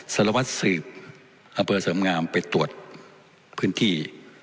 สลวัสดิ์สืบอเภอเสริมงามไปตรวจพื้นที่